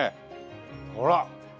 ほら。